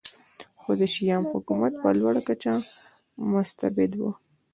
خو د شیام حکومت په لوړه کچه مستبد و